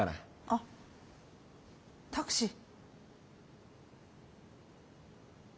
あっタクシー。